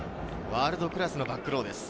ワールドクラスのタックルです。